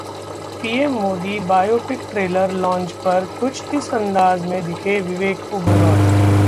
PM Modi biopic trailer launch पर कुछ इस अंदाज़ में दिखे विवेक ओबरॉय